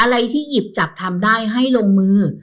อะไรที่หยิบจับทำได้ให้ลงมือ